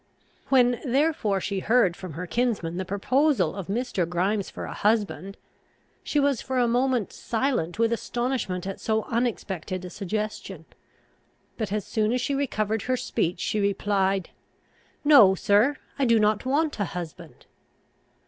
When therefore she heard from her kinsman the proposal of Mr. Grimes for a husband, she was for a moment silent with astonishment at so unexpected a suggestion. But as soon as she recovered her speech, she replied, "No, sir, I do not want a husband."